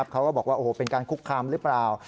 เขาก็บอกว่าเป็นการคุกคามหรือเปล่า